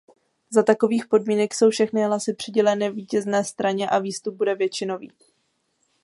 Za takových podmínek jsou všechny hlasy přiděleny vítězné straně a výstup bude většinový.